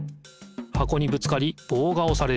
箱にぶつかりぼうがおされる。